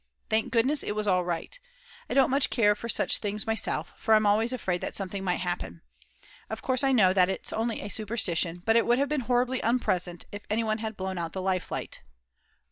Thank goodness it was all right. I don't much care for such things myself, for I'm always afraid that something might happen. Of course I know that it's only a superstition, but it would have been horribly unpleasant if anyone had blown out the life light.